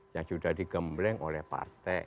yang sudah digembleng oleh partai